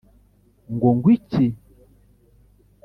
ngo ngwiki?!